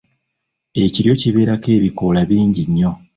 Ekiryo kibeerako ebikoola bingi nnyo.